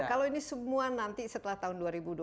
kalau ini semua nanti setelah tahun dua ribu dua puluh empat